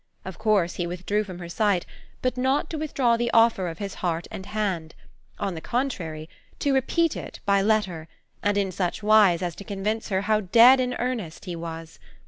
Of course, he withdrew from her sight, but not to withdraw the offer of his heart and hand; on the contrary, to repeat it by letter, and in such wise as to convince her how 'dead in earnest' he was.